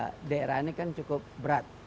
stuim bina daerah ini kan cukup berat